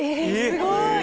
すごい！